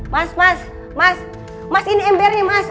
mas mas mas mas ini embernya mas